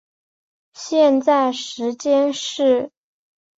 现在时间是。